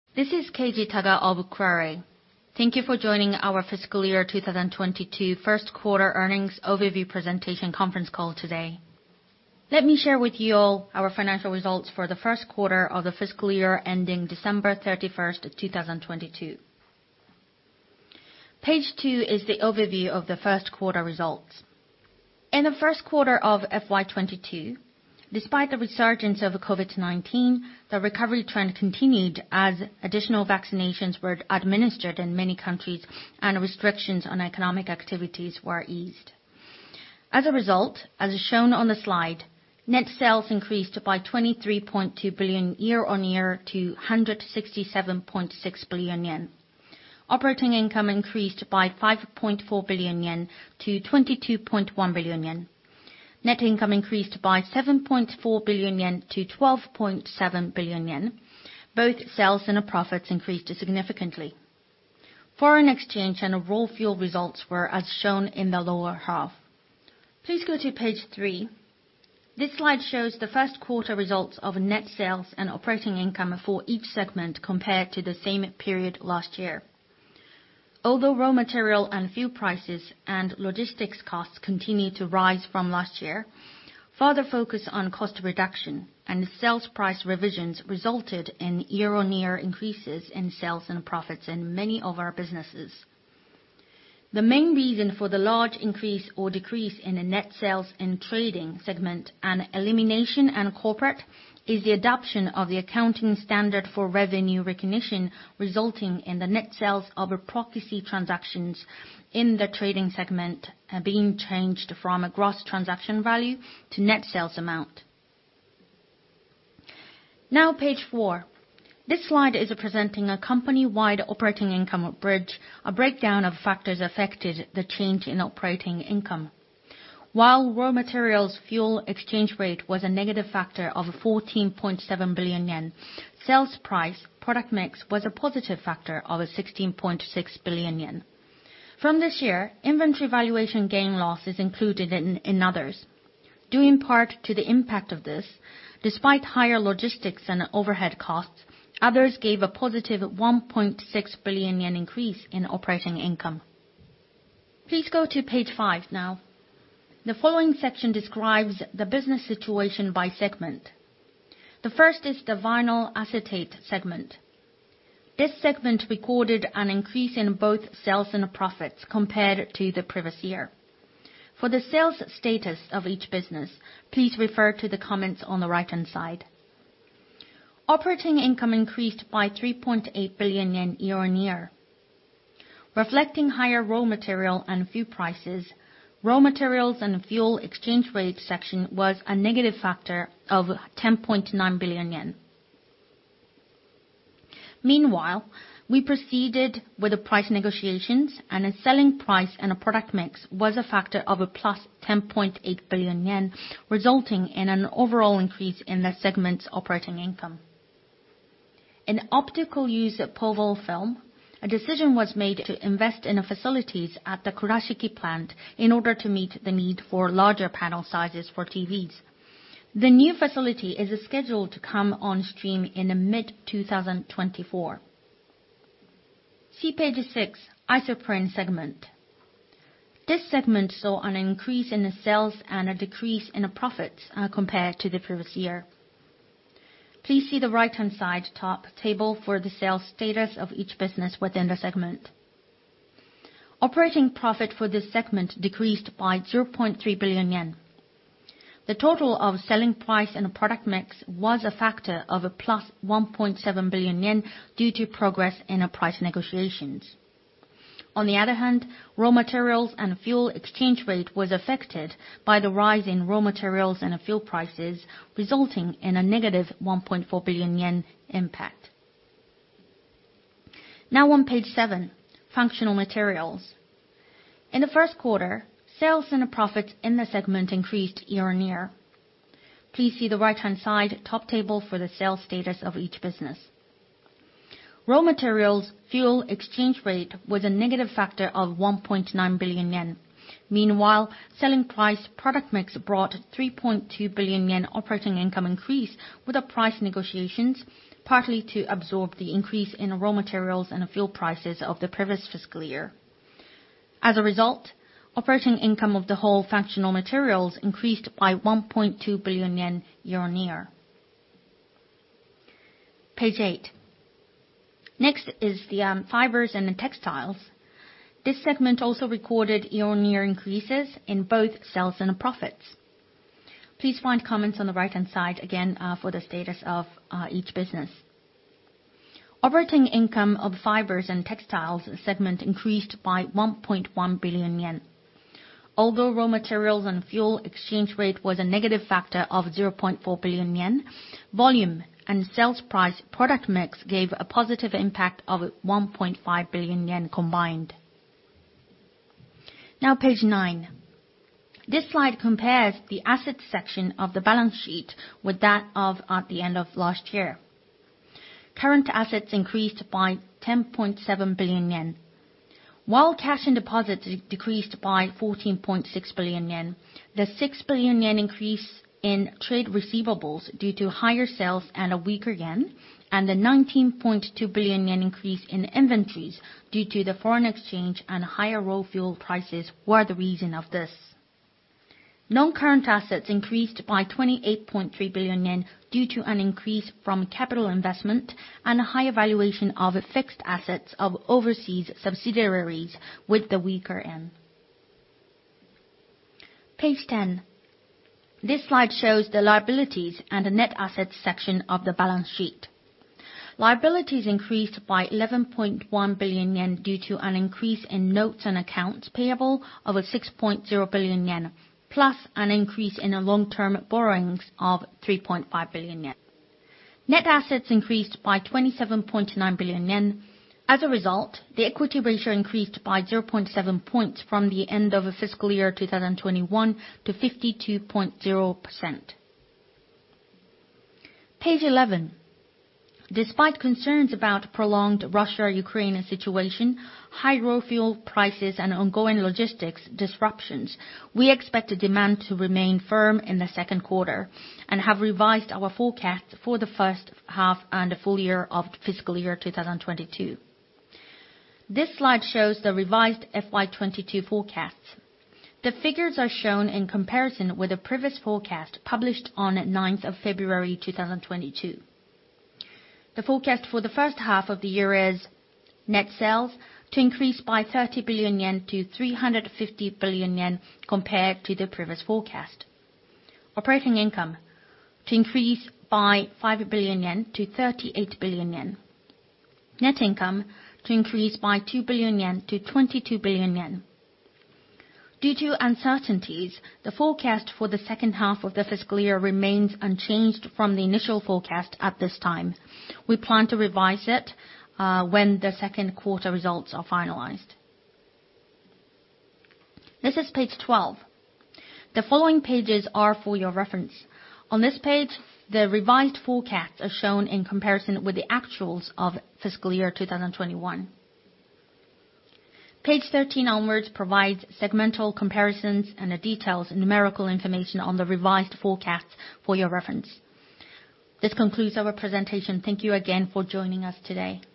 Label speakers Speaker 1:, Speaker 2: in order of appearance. Speaker 1: This is Keiji Taga of Kuraray. Thank you for joining our fiscal year 2022 first quarter earnings overview presentation conference call today. Let me share with you all our financial results for the first quarter of the fiscal year ending December 31, 2022. Page 2 is the overview of the first quarter results. In the first quarter of FY 2022, despite the resurgence of COVID-19, the recovery trend continued as additional vaccinations were administered in many countries and restrictions on economic activities were eased. As a result, as shown on the slide, net sales increased by 23.2 billion year-on-year to 167.6 billion yen. Operating income increased by 5.4 billion yen to 22.1 billion yen. Net income increased by 7.4 billion yen to 12.7 billion yen. Both sales and profits increased significantly. Foreign exchange and raw fuel results were as shown in the lower half. Please go to page 3. This slide shows the first quarter results of net sales and operating income for each segment compared to the same period last year. Although raw material and fuel prices and logistics costs continued to rise from last year, further focus on cost reduction and sales price revisions resulted in year-on-year increases in sales and profits in many of our businesses. The main reason for the large increase or decrease in the net sales in trading segment and elimination in corporate is the adoption of the accounting standard for revenue recognition, resulting in the net sales of proxy transactions in the trading segment being changed from a gross transaction value to net sales amount. Now page 4. This slide is presenting a company-wide operating income bridge, a breakdown of factors affected the change in operating income. While raw materials fuel exchange rate was a negative factor of 14.7 billion yen, sales price product mix was a positive factor of 16.6 billion yen. From this year, inventory valuation gain/loss is included in others. Due in part to the impact of this, despite higher logistics and overhead costs, others gave a positive 1.6 billion yen increase in operating income. Please go to page 5 now. The following section describes the business situation by segment. The first is the Vinyl Acetate segment. This segment recorded an increase in both sales and profits compared to the previous year. For the sales status of each business, please refer to the comments on the right-hand side. Operating income increased by 3.8 billion yen year-on-year. Reflecting higher raw material and fuel prices, raw materials and fuel exchange rate section was a negative factor of 10.9 billion yen. Meanwhile, we proceeded with the price negotiations and a selling price, and a product mix was a factor of a +10.8 billion yen, resulting in an overall increase in the segment's operating income. In optical-use Poval Film, a decision was made to invest in facilities at the Kurashiki plant in order to meet the need for larger panel sizes for TVs. The new facility is scheduled to come on stream in mid-2024. See page six, Isoprene Segment. This segment saw an increase in the sales and a decrease in the profits, compared to the previous year. Please see the right-hand side top table for the sales status of each business within the segment. Operating profit for this segment decreased by 0.3 billion yen. The total of selling price and product mix was a factor of a plus 1.7 billion yen due to progress in a price negotiations. On the other hand, raw materials and fuel exchange rate was affected by the rise in raw materials and the fuel prices, resulting in a negative 1.4 billion yen impact. Now on page seven, Functional Materials. In the first quarter, sales and profits in the segment increased year-on-year. Please see the right-hand side top table for the sales status of each business. Raw materials, fuel exchange rate was a negative factor of 1.9 billion yen. Meanwhile, selling price product mix brought 3.2 billion yen operating income increase with the price negotiations, partly to absorb the increase in raw materials and the fuel prices of the previous fiscal year. As a result, operating income of the whole Functional Materials segment increased by 1.2 billion yen year-on-year. Page 8. Next is the Fibers and Textiles. This segment also recorded year-on-year increases in both sales and profits. Please find comments on the right-hand side again for the status of each business. Operating income of Fibers and Textiles segment increased by 1.1 billion yen. Although raw materials and fuel exchange rate was a negative factor of 0.4 billion yen, volume and sales price product mix gave a positive impact of 1.5 billion yen combined. Now Page 9. This slide compares the assets section of the balance sheet with that of at the end of last year. Current assets increased by 10.7 billion yen. While cash and deposits decreased by 14.6 billion yen, the 6 billion yen increase in trade receivables due to higher sales and a weaker yen and the 19.2 billion yen increase in inventories due to the foreign exchange and higher raw fuel prices were the reason for this. Non-current assets increased by 28.3 billion yen due to an increase from capital investment and a revaluation of fixed assets of overseas subsidiaries with the weaker yen. Page 10. This slide shows the liabilities and the net assets section of the balance sheet. Liabilities increased by 11.1 billion yen due to an increase in notes and accounts payable of 6.0 billion yen, plus an increase in our long-term borrowings of 3.5 billion yen. Net assets increased by 27.9 billion yen. As a result, the equity ratio increased by 0.7 points from the end of fiscal year 2021 to 52.0%. Page 11. Despite concerns about prolonged Russia-Ukraine situation, high raw fuel prices and ongoing logistics disruptions, we expect the demand to remain firm in the second quarter and have revised our forecast for the first half and the full year of fiscal year 2022. This slide shows the revised FY 2022 forecasts. The figures are shown in comparison with the previous forecast published on February 9, 2022. The forecast for the first half of the year is net sales to increase by 30 billion yen to 350 billion yen compared to the previous forecast. Operating income to increase by 5 billion yen to 38 billion yen. Net income to increase by 2 billion yen to 22 billion yen. Due to uncertainties, the forecast for the second half of the fiscal year remains unchanged from the initial forecast at this time. We plan to revise it when the second quarter results are finalized. This is page 12. The following pages are for your reference. On this page, the revised forecasts are shown in comparison with the actuals of fiscal year 2021. Page 13 onwards provides segmental comparisons and the detailed numerical information on the revised forecasts for your reference. This concludes our presentation. Thank you again for joining us today.